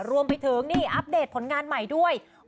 รวมไปถึงนี่อัปเดตผลงานใหม่ด้วย